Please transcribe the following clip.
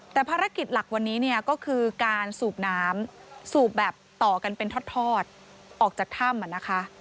แต่ภารกิจหลักวันนี้เนี่ยก็คือการสูบน้ำสูบแบบต่อกันเป็นทอดออกจากถ้ำนะคะ